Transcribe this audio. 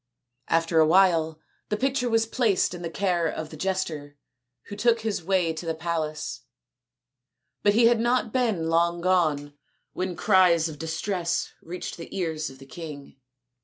After a while the picture was placed in the care of the jester, who took his way to the palace ; but he had not been long gone when cries of distress reached the ears of the king.